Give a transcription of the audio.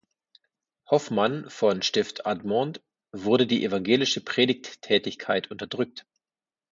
Hoffmann von Stift Admont wurde die evangelische Predigttätigkeit unterdrückt.